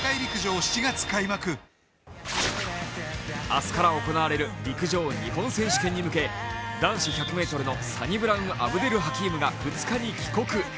明日から行われる陸上日本選手権に向けて男子１００ｍのサニブラウン・アブデル・ハキームが２日に帰国。